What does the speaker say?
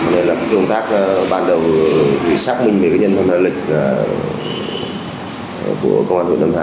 nên là công tác ban đầu xác hình về nhân thần đại lịch của công an huyện lâm hà